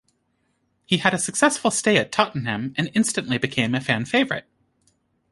He had a successful stay at Tottenham and instantly became a fan favourite.